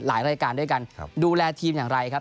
รายการด้วยกันดูแลทีมอย่างไรครับ